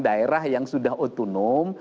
daerah yang sudah otonom